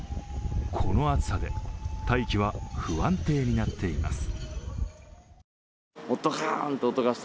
この暑さで大気は不安定になっています。